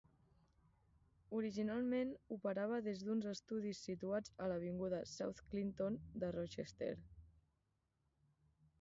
Originalment operava des d'uns estudis situats a l'avinguda South Clinton de Rochester.